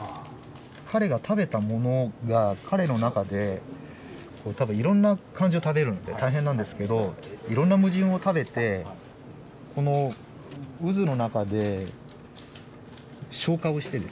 彼が食べたものが彼の中で多分いろんな感情を食べるんで大変なんですけどいろんな矛盾を食べてこの渦の中で消化をしてですね。